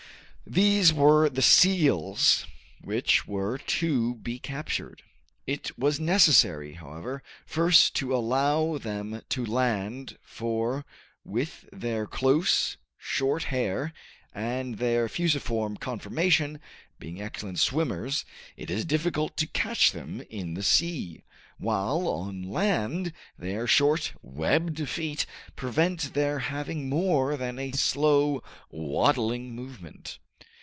These were the seals which were to be captured. It was necessary, however, first to allow them to land, for with their close, short hair, and their fusiform conformation, being excellent swimmers, it is difficult to catch them in the sea, while on land their short, webbed feet prevent their having more than a slow, waddling movement.